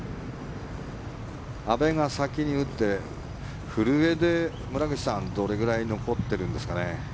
阿部が先に打って古江で、村口さんどれぐらい残ってるんですかね。